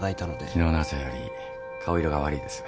昨日の朝より顔色が悪いです。